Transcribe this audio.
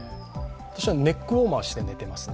ネックウォーマーして寝てますね。